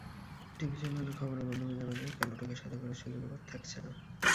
টিভি-চ্যানেলের খবরের মাধ্যমে জানা যায়, কালোটাকা সাদা করার সুযোগ এবার থাকছে না।